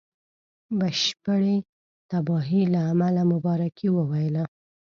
بشپړي تباهی له امله مبارکي وویله.